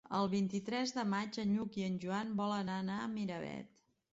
El vint-i-tres de maig en Lluc i en Joan volen anar a Miravet.